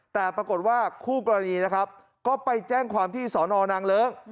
แต่ปรากฏว่าคู่กรณีนะครับก็ไปแจ้งความที่สอนอนางเลิ้ง